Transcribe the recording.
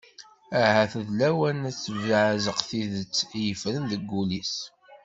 Ahat d lawan ad d-tebbeɛzaq tidet i yeffren deg wul-is.